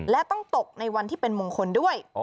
และต้องตกในวันที่เป็นมงคลด้วย